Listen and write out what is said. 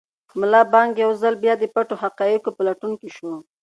ملا بانګ یو ځل بیا د پټو حقایقو په لټون کې شو.